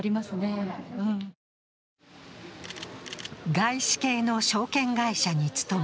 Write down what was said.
外資系の証券会社に勤め